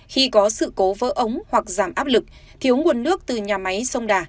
khi có sự cố vỡ ống hoặc giảm áp lực thiếu nguồn nước từ nhà máy sông đà